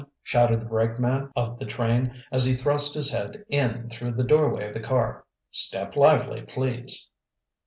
shouted the brakeman of the train, as he thrust his head in through the doorway of the car. "Step lively, please!"